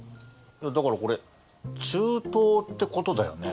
だからこれ中東ってことだよね？